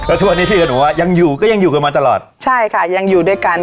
แล้วทุกวันนี้พี่กับหนูอ่ะยังอยู่ก็ยังอยู่กันมาตลอดใช่ค่ะยังอยู่ด้วยกัน